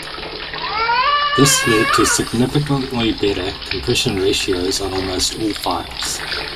This led to significantly better compression ratios on almost all files.